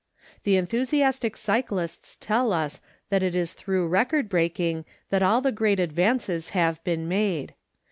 The enthusiastic cyclists tell us that it is through record breaking that all the great advances have been made.